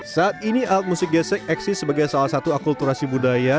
saat ini alat musik gesek eksis sebagai salah satu akulturasi budaya